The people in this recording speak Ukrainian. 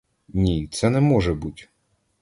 Ні, це не може буть!